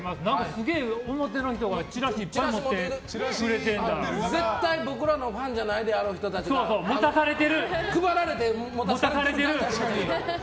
すげえ、表の人が絶対僕らのファンじゃないであろう人たちが配られて持たされてる！